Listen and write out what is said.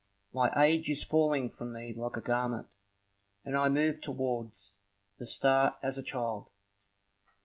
My age is falling from me like a garment, and I move towards the star as a child.